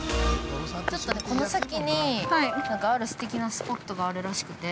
◆ちょっとね、この先になんか、あるすてきなスポットがあるらしくて。